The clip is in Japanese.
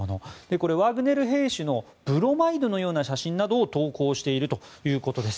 これ、ワグネル兵士のブロマイドのような写真などを投稿しているということです。